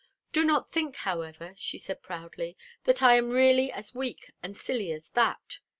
"Do not think, however," she said proudly, "that I am really as weak and silly as that.